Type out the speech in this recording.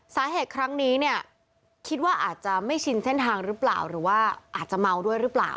สาเหตุครั้งนี้เนี่ยคิดว่าอาจจะไม่ชินเส้นทางหรือเปล่าหรือว่าอาจจะเมาด้วยหรือเปล่า